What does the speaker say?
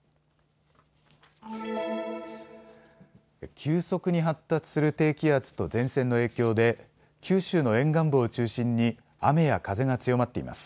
急速に発達する低気圧と前線の影響で九州の沿岸部を中心に雨や風が強まっています。